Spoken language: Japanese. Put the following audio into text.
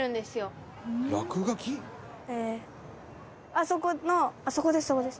あそこのあっそこですそこです。